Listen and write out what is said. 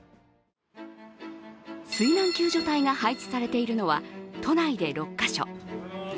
水難救助隊が配置されているのは都内で６か所。